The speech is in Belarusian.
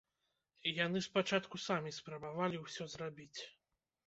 Яны спачатку самі спрабавалі ўсё зрабіць.